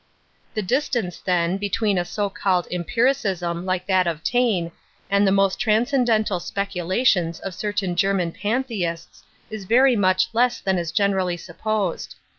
The distance, then, between a so called " empiriciam " like that of Taine and the most transcendental speculations of certain German pantheists is very much less than is generally supposed.